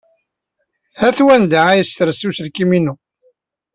Ha-t wanda ay yers uselkim-inu.